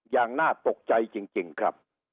อย่างน่าตกใจจริงครับ